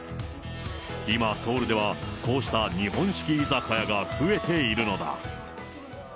今、ソウルではこうした日本式居酒屋が増えているのだ。